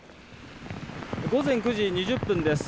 午前９時２０分です。